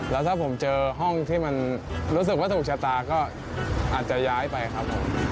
แล้วถ้าผมเจอห้องที่มันรู้สึกว่าถูกชะตาก็อาจจะย้ายไปครับผม